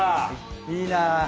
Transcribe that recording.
いいなぁ